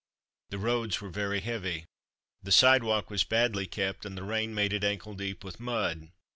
The roads were very heavy. The sidewalk was badly kept, and the rain made it ankle deep with mud.